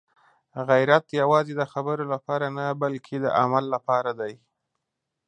غیرت یوازې د خبرو لپاره نه، بلکې د عمل لپاره دی.